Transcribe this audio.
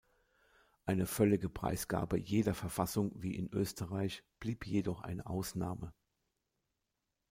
Eine völlige Preisgabe jeder Verfassung wie in Österreich blieb jedoch eine Ausnahme.